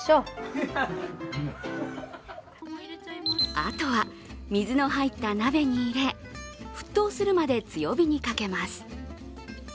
あとは水の入った鍋に入れ沸騰するまで強火にかけます。